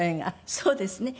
そうですね。